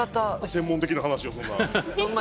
専門的な話をそんな。